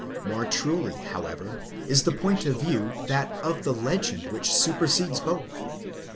More truly however is the point of view that of the legend which supersedes both.